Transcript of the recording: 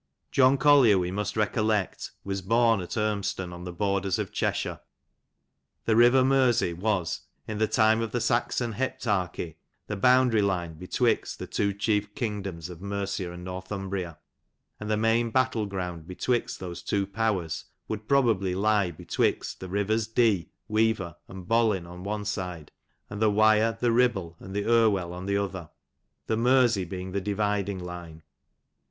John Collier, we mnst recollect, nas bom at Unnston, on the borders of Cheshire. The river Mereey was, in the time of the Saxon Heptarchy, the boundair line betwixt the two chief kingdoms of Mercia and Northumbria; and the main battle ground betwixt those two powers mndd probably lie betwixt the rivers Dee, Weaver, and Bollin on one side, and the Wyr«, the Kibble, and Imell on the other, the Mersey being the dividing line.